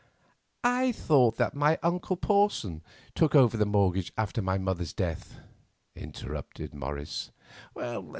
"I thought that my uncle Porson took over the mortgage after my mother's death," interrupted Morris.